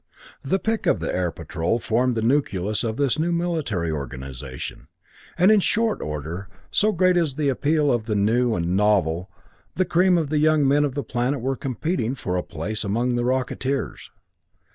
The pick of the Air Patrol formed the nucleus of this new military organization; and in short order, so great is the appeal of the new and novel, the cream of the young men of the planet were competing for a place among the Rocketeers.